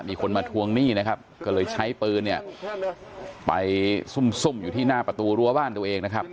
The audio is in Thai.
มีคนมาทวงหนี้นะครับก็เลยใช้ปืนเนี่ยไปซุ่มอยู่ที่หน้าประตูรั้วบ้านตัวเองนะครับ